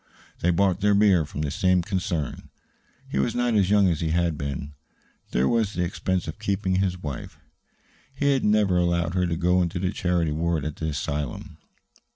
They bought their beer from the same concern. He was not as young as he had been; there was the expense of keeping his wife he had never allowed her to go into the charity ward at the asylum.